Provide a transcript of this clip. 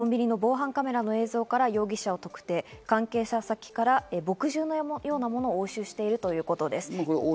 コンビニの防犯カメラの映像から容疑者を特定、関係先から墨汁のようなものを押収しているということです。